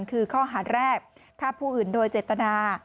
คือข้อหาแรกฆ่าผู้อื่นโดยเจตนา